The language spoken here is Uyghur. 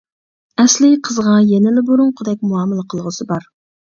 ئەسلى قىزغا يەنىلا بۇرۇنقىدەك مۇئامىلە قىلغۇسى بار.